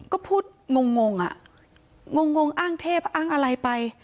ก็พูดงงอ่ะงงอ้างเทพอ้างอะไรไป